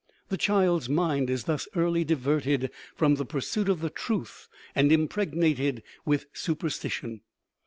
The child's mind is thus early diverted from the pur suit of the truth and impregnated with superstition.